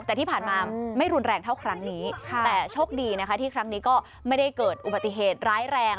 แต่ที่ผ่านมาไม่รุนแรงเท่าครั้งนี้แต่โชคดีนะคะที่ครั้งนี้ก็ไม่ได้เกิดอุบัติเหตุร้ายแรง